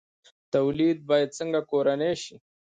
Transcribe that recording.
تولید باید څنګه کورنی شي؟